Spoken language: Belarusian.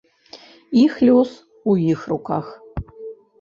Іх лёс у іх руках.